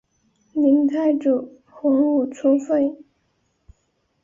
明太祖洪武初废。